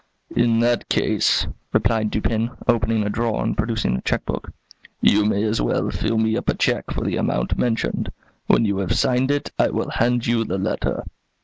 "In that case," replied Dupin, opening a drawer and producing a checkbook, "you may as well fill me up a check for the amount mentioned. When you have signed it I will hand you the letter."